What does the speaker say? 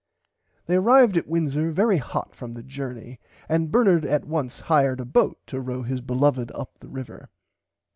They arrived at Windsor very hot from the jorney and Bernard at once hired a boat to row his beloved up the river.